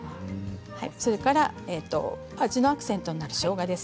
それから味のアクセントになるしょうがです。